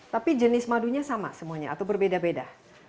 tapi jenis madunya sama semuanya atau berbeda beda